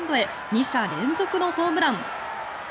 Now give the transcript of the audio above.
２者連続のホームラン。